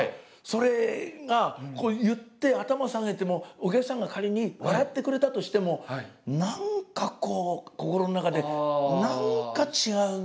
それが言って頭を下げてもお客さんが仮に笑ってくれたとしても何かこう心の中で何か違うんだよなって。